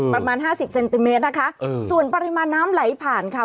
ประมาณห้าสิบเซนติเมตรนะคะส่วนปริมาณน้ำไหลผ่านค่ะ